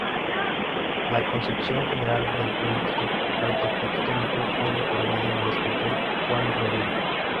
La concepción general del proyecto arquitectónico fue otorgado al escultor Juan Rovira.